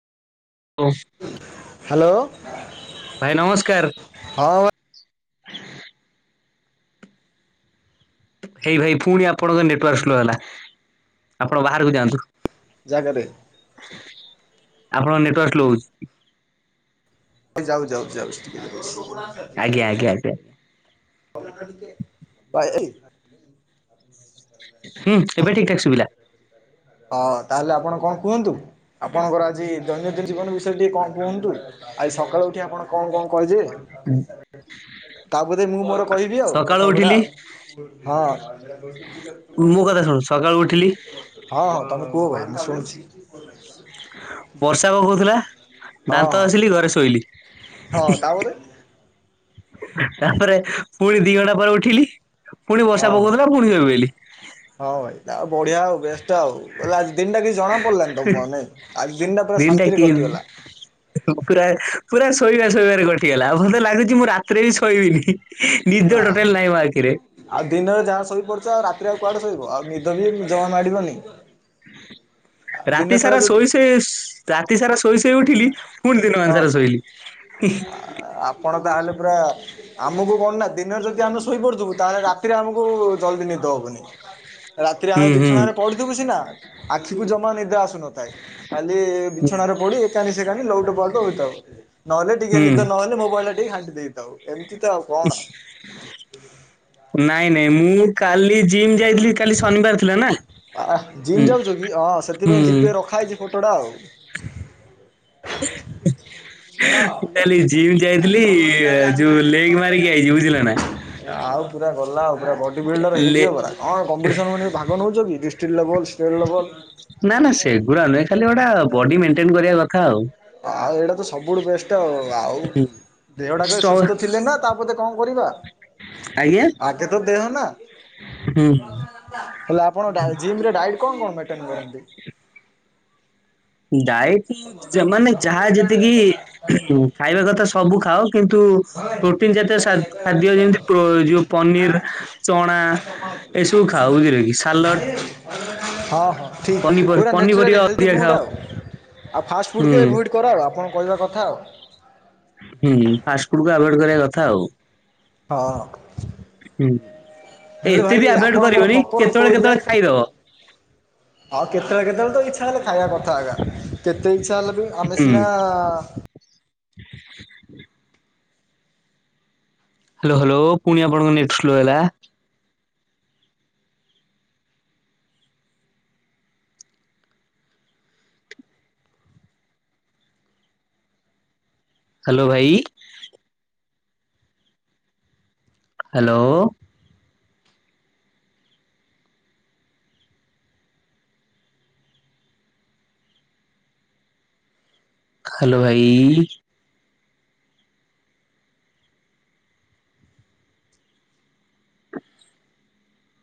Hello ଭାଇ ନମସ୍କାର। ହଁ। ହେଇ ଭାଇ ପୁଣି ଆପଣଙ୍କ ନେଟୱାର୍କ ସ୍ଲୋ ହେଲା। ଆପଣ ବାହାରକୁ ଯାଆନ୍ତୁ। ଜାଗାରେ ଆପଣଙ୍କ ନେଟୱାର୍କ ସ୍ଲୋ। ଯାଉ ଯାଉ ଯାଉଛି ଟିକେ ଆଜ୍ଞା ଯାଉଅଛି। ଆଜ୍ଞା। [unintelligible] ହୁଁ ଆ ଏବେ ହୁ। ଠିକ ଠାକ ଶୁଭିଲା। ହଁ ତାହେଲେ ଆପଣ କଣ କୁହନ୍ତୁ ଆପଣଙ୍କର ଆଜି ଦୈନନ୍ଦିନ ଜୀବନ ବିଷ ଆଜି କଣ କୁହନ୍ତୁ ଆଜି ସକାଳୁ ଉଠି ଆପଣ କଣ କଣ କହିଦେବେ ହୁଁ ତା ବଧେ ମୁଁ ମୋର କହିବି ଆଉ କଥା ଗୁଡ଼ା। ଉଠିଲି ହଁ ମୋ [unintelligible] କଥା ଶୁଣୁ ସକାଳୁ ଉଠିଲି ହଁ, ହଁ ତମେ କୁହ ଭାଇ ମୁଁ ଶୁଣୁଛି। ବର୍ଷା ପକଉଥିଲା, ହଁ ଦାନ୍ତ ହଁ ଘସିକି ଘରେ ଶୋଇଲି। ହଁ ତାପରେ ତାପରେ ପୁଣି ଦି ଘଣ୍ଟା ପରେ ଉଠିଲି ପୁଣି ବର୍ଷା ହଁ ହଁ ପକଉଥିଲା ପୁଣି ସୋଇପଡିଲି। ହଁ ଭାଇ ଆଉ ବଢିଆ ଆଉ ବେଷ୍ଟ ଆଉ, ଵଲେ ଆଜି ଦିନ ଟା କିଛି ଜଣା ପଡିଲାନି ତମକୁ ଆଉ ନାଇଁ? ଆଜି ଦିନଟା ପୁରା ଶାନ୍ତିରେ କଟିଗଲା। ପୁରା ପୁରା ଶୋଇବା ଶୋଇବାରେ କଟିଗଲା ମୋତେ ଲାଗୁଛି ମୁଁ ରାତିରେ ବି ଶୋଇବିନି। ନିଦ ନା ଟୋଟାଲ ନାଇଁ ମୋ ଆଖିରେ। ଆଉ ଦିନରେ ଯାହା ଶୋଇ ପଡ଼ୁଛ ଆଉ ରାତିରେ ଆଉ କୁଆଡେ ଶୋଇବ? ଆଉ ନିଦ ବି ଜମା ମାଡ଼ିବନି। [unintelligible] ରାତି ସାରା ଶୋଇଶୋଇ, ରାତି ସାରା ଶୋଇ ଶୋଇ ଉଠିଲି, ପୁଣି ଦିନମାନ ହଁ ସାରା ଶୋଇଲି। ହ [unintelligible] ଆପଣ ତାହେଲେ ପୁରା ଆମକୁ କଣ ନା ଦିନରେ ଯଦି ଆମେ ଶୋଇପଡୁଥିବୁ, ତାହେଲେ ରାତିରେ ଆମକୁ ଜଲଦି ନିଦ ହବନି। ରାତିରେ ଆମେ ହୁଁ ବିଛଣାରେ ହୁଁ ପଡୁଥିବୁ ସିନା ଆଖିକୁ ଜମା ନିଦ୍ରା ଆସୁନଥାଏ। ଖାଲି ହୁଁ ବିଛଣାରେ ପଡି ଏକାନି ସେକାନି ଲଉଟୁ ପାଉଟୁ ହୋଇଥାଉ। ନହେଲେ ଟିକେ ହୁଁ। ନିଦ ନହେଲେ ମୋବାଇଲ ଟା ଟିକେ ଘାଣ୍ଟି ଦେଇଥାଉ ଏମିତି ତ ଆଉ କଣ? ନାଇଁ ନାଇଁ ମୁଁ କାଲି ଜିମ୍ ଯାଇଥିଲି, କାଲି ଶନିବାର ଥିଲା ନା। ଆଃ ହୁଁ ଜିମ ଯାଉଛ କି ଆଃ ହୁଁ ସେଥିପାଇଁ ମୁଁ ଡିପେ ରଖା ହେଇଛି ଫଟୋଟା ଆଉ [unintelligible] ଜିମ୍ ଯାଇଥିଲି ଯୋଉ ଲେଗ ମାରିକି ଆଇଚି ବୁଝିଲ ନା। ଆଉ ପୁରା ଗଲା ଆଉ ପୁରା ବଡି ବିଲ୍ଡର ଲେ ହେଇଯିବ ପୁରା କଣ କମ୍ପିଟିସନ ଭାଗ ନଉଛି କି ଡିଷ୍ଟ୍ର ଲେବଲ, ଷ୍ଟେ୍ଟ୍ ଲେବଲ। ନା ନା ସେଗୁଡା ନୁହେଁ, ଖାଲି ଗୋଟା ବଡି ମେଣ୍ଟେନ କରିବା କଥା ଆଉ। ଆଉ ଏଇଟା ତ ସବୁଠୁ ବେଷ୍ଟ ଆଉ, ଆଉ ହୁଁ ଦେହଟା ସ ସୁସ୍ଥ ଥିଲେ ନା ତାପ କଣ କରିବା? ଆଜ୍ଞା ଆଗେ ତ ଦେହ ନା। ହୁଁ ଉଁ ହେଲେ ଆପଣ ଜିମ ରେ ଡାଇଟ୍ କଣ କଣ ମେଣ୍ଟେନ କରନ୍ତି? ଡାଏଟମାନେ ମୁଁ ଯାହା ଯେତିକି ଖାଇବା କଥା ସବୁ ଖାଅ, କିନ୍ତୁ ପ୍ରୋଟିନ ଜାତୀୟ ଖାଦ୍ୟ ଯେମିତି ଯୋଉ ପନିର ଚଣା ଏସବୁ ଖା ବୁଝିଲ କି ସାଲଡ଼। ହଁ ହଁ ଠିକ୍ ପନି ପୁରା ନ୍ୟାଚୁରାଲି ପନିପରିବା ହେଲ୍ଦି ଅଧିକା ଫୁଡ଼୍ ଖାଅ। ଆଉ ଆଉ ଫାଷ୍ଟ ହୁଁ ଫୁଡ଼୍କୁ ଏଭଏଡ଼୍ କରା ଆପଣ କହିବା କଥା ଆଉ ହୁଁ ଫାଷ୍ଟ ଫୁଡ କୁ ଆଭଏଡ କରିବା କଥା ଆଉ ହଁ ହଁ ହେଲେ ଏତେ ଭାଇ ବି ଆଭଏଡ଼ ଆପଣଙ୍କର କରିବନି, ପ୍ରପର୍ କୋଉ କେତେବେଳେ ଏରିଆ କେତେବେଳେ ଖାଇଦବ। ଆଉ କେତେବେଳେ କେତେବେଳେ ତ ଇଛା ହେଲେ ଖାଇବା କଥା [unintelligible] କେତେ ଇଛା ହେଲେ ବି ଆମେ ହୁଁ। ସିନା ହାଲୋ ହାଲୋ ପୁଣି ଆପଣଙ୍କ ନେକ୍ଟ ଫ୍ଲୋ ହେଲା। ହାଲୋ ଭାଇ ହାଲୋ ହାଲୋ ଭାଇ